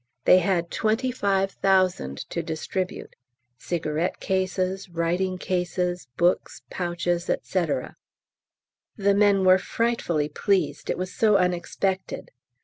They had 25,000 to distribute, cigarette cases, writing cases, books, pouches, &c. The men were frightfully pleased, it was so unexpected.